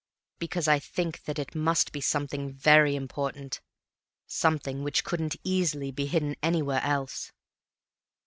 "Because I think that it must be something very important, something which couldn't easily be hidden anywhere else."